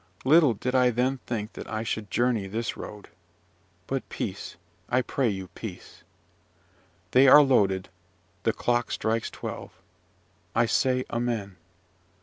Little did I then think that I should journey this road. But peace! I pray you, peace! "They are loaded the clock strikes twelve. I say amen.